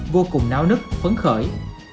vô cùng náo nứt phấn khởi